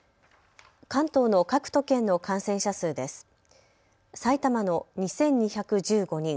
関東の各都県の感染者数です。